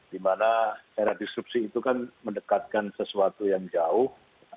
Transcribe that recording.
dimana era disrupsi itu kan mendekatkan sesuatu yang jauh